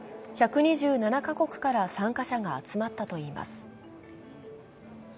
１２７か国から参加者が集まったといいます。